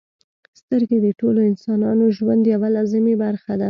• سترګې د ټولو انسانانو ژوند یوه لازمي برخه ده.